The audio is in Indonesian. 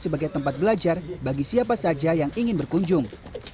sebagai tempat belajar bagi siapa saja yang ingin berkunjung